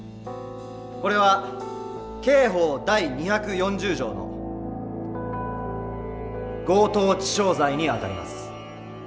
これは刑法第２４０条の強盗致傷罪にあたります」。